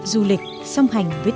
du lịch song hành viết bài